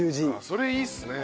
それいいっすね。